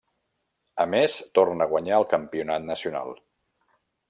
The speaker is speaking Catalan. A més torna a guanyar el campionat nacional.